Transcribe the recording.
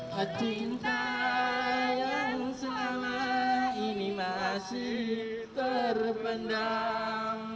hati yang selama ini masih terpendam